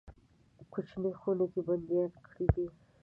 کوچنۍ خونه کې بندیان کړي دي.